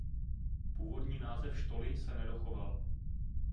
Původní název štoly se nedochoval.